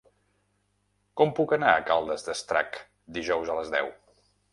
Com puc anar a Caldes d'Estrac dijous a les deu?